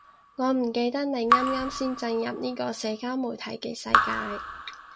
我唔記得你啱啱先進入呢個社交媒體嘅世界